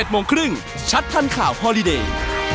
โมงครึ่งชัดทันข่าวพอดีเดย์